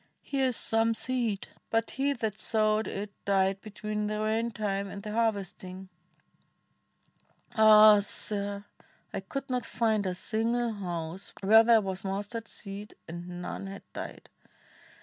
'Here is some seed, but he that sowed it died Between the rain time and the har\^esting !' 40 STORIES OF BUDDHA Ah, sir! I could not find a single house Where there was mustard seed and none had died